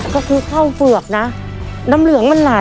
คุณหมอเขาว่าเป็นอะไร